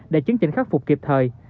để chứng chỉnh khắc phục kịp thời